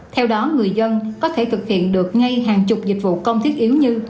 theo đó người dân có thể thực hiện được ngay hàng chục dịch vụ công thiết yếu như